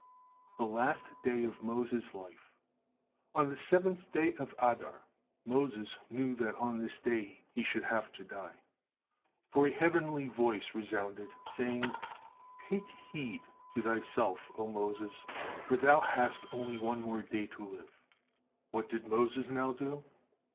THE LAST DAY OF MOSES' LIFE On the seventh day of Adar, Moses knew that on this day he should have to die, for a heavenly voice resounded, saying, "Take heed to thyself, O Moses, for thou hast only one more day to live." What did Moses now do?